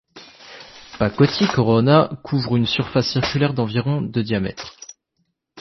Pakoti Corona couvre une surface circulaire d'environ de diamètre.